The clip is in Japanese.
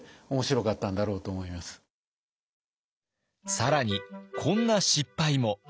更にこんな失敗も。